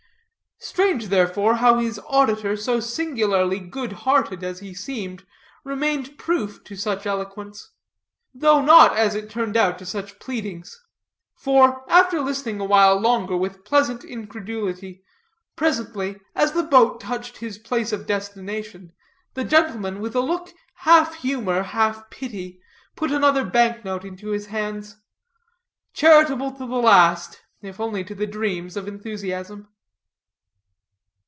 Strange, therefore, how his auditor, so singularly good hearted as he seemed, remained proof to such eloquence; though not, as it turned out, to such pleadings. For, after listening a while longer with pleasant incredulity, presently, as the boat touched his place of destination, the gentleman, with a look half humor, half pity, put another bank note into his hands; charitable to the last, if only to the dreams of enthusiasm.